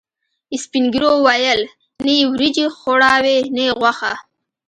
سپینږیرو ویل: نه یې وریجې خوړاوې، نه یې غوښه.